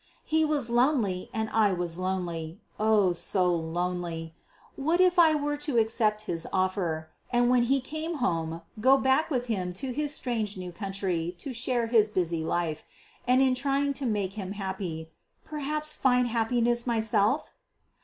He was lonely and I was lonely, oh! so lonely! What if I were to accept his offer, and when he came home go back with him to his strange new country to share his busy life, and in trying to make him happy, perhaps find happiness myself?